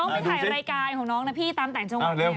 น้องไม่ถ่ายรายการของน้องนะพี่ตามแต่งจงหวังไหน